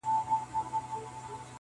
چي جانان وي قاسم یاره او صهبا وي,